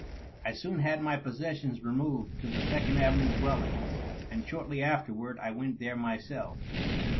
I soon had my possessions removed to the Second Avenue dwelling, and shortly afterwanl I went there myself.